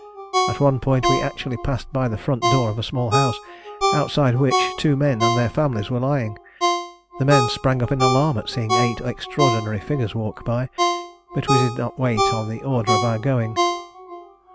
At one point we actually passed by the front door of a small house, outside which two men and their families were lying. The men sprang up in alarm at seeing eight extraordinary figures walk by, but we did not wait on the order of our going.